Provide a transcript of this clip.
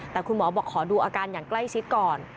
แต่คุณหมอบอกขอดูอาการอย่างใกล้ชิดก่อน